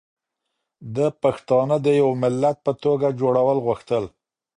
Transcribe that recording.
ده پښتانه د يو ملت په توګه جوړول غوښتل